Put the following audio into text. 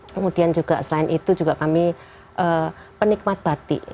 kemudian juga selain itu juga kami penikmat batik